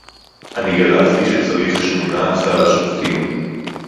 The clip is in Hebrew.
אני גרסתי שצריך שמונה עשר שופטים